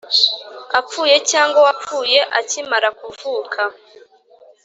apfuye cyangwa wapfuye akimara kuvuka